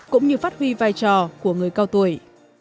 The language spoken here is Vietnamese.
cũng như phát huy vai trò của người cao tuổi